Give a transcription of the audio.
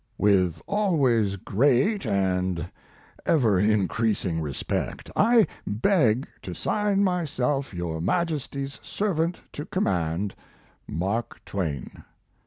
With always great and ever increasing respect, I beg to sign myself your Majesty's servant to command, MARK TWAIN.